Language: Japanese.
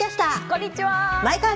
こんにちは！